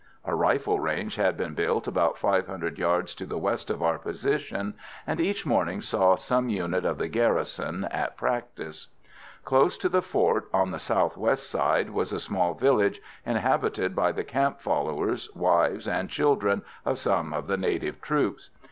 A rifle range had been built about 500 yards to the west of our position, and each morning saw some unit of the garrison at practice. Close to the fort, on the south west side, was a small village inhabited by the camp followers, wives and children of some of the native troops.